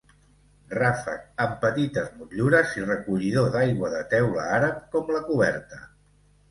Ràfec amb petites motllures i recollidor d'aigua de teula àrab, com la coberta.